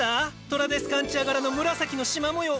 トラデスカンチア柄の紫のしま模様。